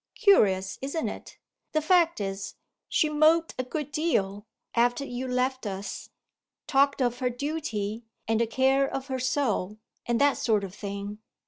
Curious, isn't it? The fact is, she moped a good deal, after you left us; talked of her duty, and the care of her soul, and that sort of thing.